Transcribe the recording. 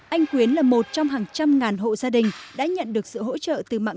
anh quyến là một trong hàng trăm ngàn hộ gia đình đã nhận được sự hỗ trợ